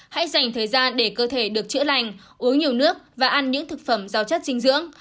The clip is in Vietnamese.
hãy dành thời gian để cơ thể được chữa lành uống nhiều nước và ăn những thực phẩm giao chất dinh dưỡng